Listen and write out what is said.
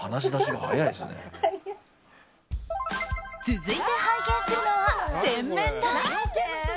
続いて拝見するのは洗面台。